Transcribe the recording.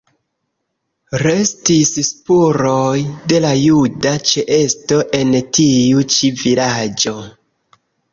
Restis spuroj de la juda ĉeesto en tiu ĉi vilaĝo.